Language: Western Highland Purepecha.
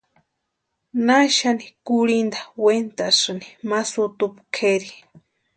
¿Naxani kurhinta wentasïni ma sutumpu kʼeri?